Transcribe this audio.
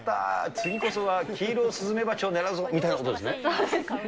次こそはキイロスズメバチを狙うぞみたいなことですね？